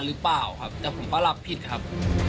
หรือเปล่าครับแต่ผมก็รับผิดครับ